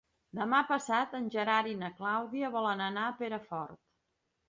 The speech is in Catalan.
Demà passat en Gerard i na Clàudia volen anar a Perafort.